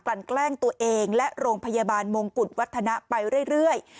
ลั่นแกล้งตัวเองและโรงพยาบาลมงกุฎวัฒนะไปเรื่อย